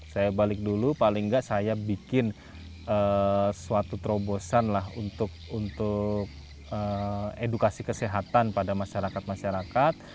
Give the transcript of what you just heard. saya balik dulu paling nggak saya bikin suatu terobosan lah untuk edukasi kesehatan pada masyarakat masyarakat